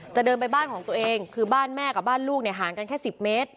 เดินไปบ้านของตัวเองคือบ้านแม่กับบ้านลูกเนี่ยห่างกันแค่๑๐เมตร